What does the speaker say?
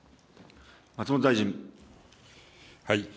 松本大臣。